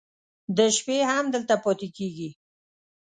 د شپې هم دلته پاتې کېږي.